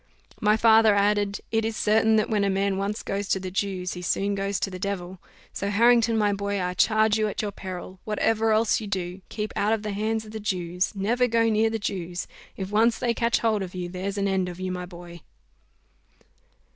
My father added, "It is certain, that when a man once goes to the Jews, he soon goes to the devil. So Harrington, my boy, I charge you at your peril, whatever else you do, keep out of the hands of the Jews never go near the Jews: if once they catch hold of you, there's an end of you, my boy."